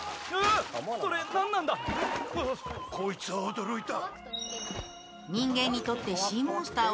こいつは驚いた。